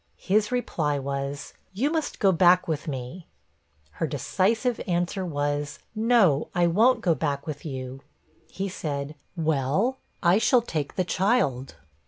His reply was, 'You must go back with me.' Her decisive answer was, 'No, I won't go back with you.' He said, 'Well, I shall take the child.'